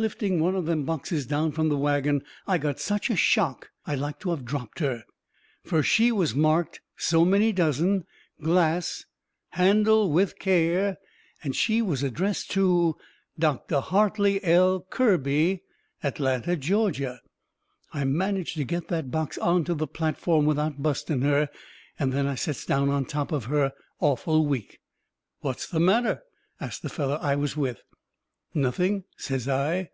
Lifting one of them boxes down from the wagon I got such a shock I like to of dropped her. Fur she was marked so many dozen, glass, handle with care, and she was addressed to Dr. Hartley L. Kirby, Atlanta, Ga. I managed to get that box onto the platform without busting her, and then I sets down on top of her awful weak. "What's the matter?" asts the feller I was with. "Nothing," says I.